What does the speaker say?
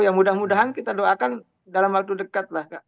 ya mudah mudahan kita doakan dalam waktu dekat lah kak